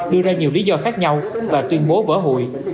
đưa ra nhiều lý do khác nhau và tuyên bố vỡ hụi